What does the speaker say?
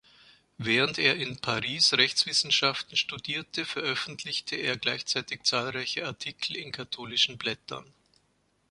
Während er in Paris Rechtswissenschaften studierte, veröffentlichte er gleichzeitig zahlreiche Artikel in katholischen Blättern.